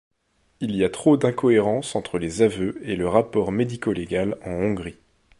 Il y a trop d'incohérences entre les aveux et le rapport médico-légal en Hongrie.